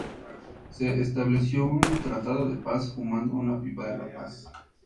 Se estableció un Tratado de Paz fumando una pipa de la paz.